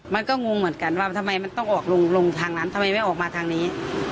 งงเหมือนกันว่าทำไมมันต้องออกลงทางนั้นทำไมไม่ออกมาทางนี้